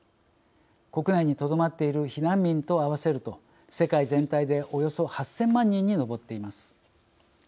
国内にとどまっている避難民と合わせると世界全体でおよそ８０００万人に上っています。